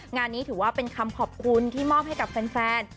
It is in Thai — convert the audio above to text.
งานนี้ถือว่าเป็นคำขอบคุณที่มอบให้กับแฟน